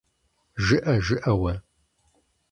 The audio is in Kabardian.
ЖыӀэ, жыӀэ уэ…